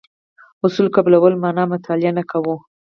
اصل قبلولو معنا مطالعه نه کوو.